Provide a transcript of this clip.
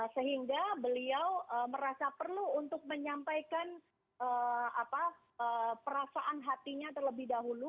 sehingga beliau merasa perlu untuk menyampaikan perasaan hatinya terlebih dahulu